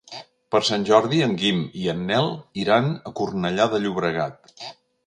Per Sant Jordi en Guim i en Nel iran a Cornellà de Llobregat.